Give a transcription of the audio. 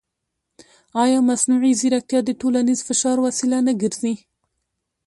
ایا مصنوعي ځیرکتیا د ټولنیز فشار وسیله نه ګرځي؟